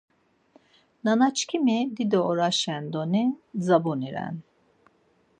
Nanaçkimi dido oraşen doni dzabuni ren.